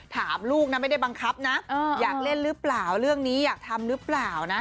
ลูกนะไม่ได้บังคับนะอยากเล่นหรือเปล่าเรื่องนี้อยากทำหรือเปล่านะ